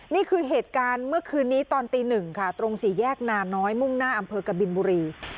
นี่คือเหตุการณ์เมื่อคืนนี้ตอนตีหนึ่งค่ะตรงสี่แยกนาน้อยมุ่งหน้าอำเภอกบินบุรี